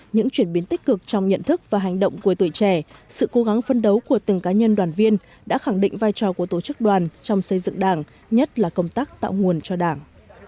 những chuyển biến tích cực trong nhận thức và hành động của tuổi trẻ sự cố gắng phân đấu của từng cá nhân đoàn viên đã khẳng định vai trò của tổ chức đoàn trong xây dựng đảng nhất là công tác tạo nguồn cho đảng